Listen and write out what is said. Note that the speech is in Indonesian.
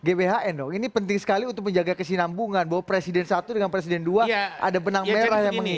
gbhn dong ini penting sekali untuk menjaga kesinambungan bahwa presiden satu dengan presiden dua ada benang merah yang mengikat